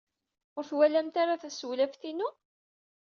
Ur twalamt ara tasewlaft-inu?